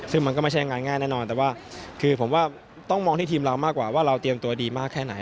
ซึ่งมันก็ไม่ใช่งานง่ายแน่นอนแต่ว่าคือผมว่าต้องมองที่ทีมเรามากกว่าว่าเราเตรียมตัวดีมากแค่ไหน